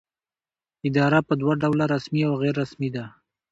اداره په دوه ډوله رسمي او غیر رسمي ده.